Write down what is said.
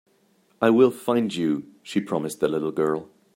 "I will find you.", she promised the little girl.